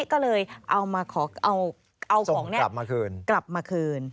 ก็เลยเอาของนี้กลับมาคืน